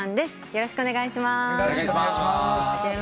よろしくお願いします。